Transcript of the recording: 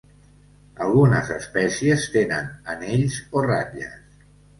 Algunes espècies tenen anells o ratlles.